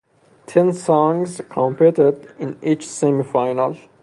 Ten songs competed in each semi-final.